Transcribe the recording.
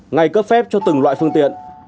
ngày cấp phép cho từng loại phương tiện